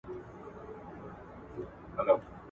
خلاص ذهن نړۍ ته بدلون ورکوي.